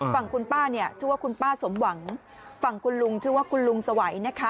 ฝั่งคุณป้าเนี่ยชื่อว่าคุณป้าสมหวังฝั่งคุณลุงชื่อว่าคุณลุงสวัยนะคะ